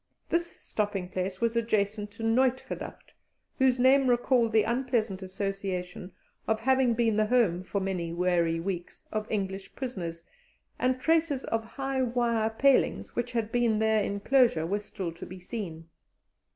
This stopping place was adjacent to Noitgedacht, whose name recalled the unpleasant association of having been the home, for many weary weeks, of English prisoners, and traces of high wire palings which had been their enclosure were still to be seen.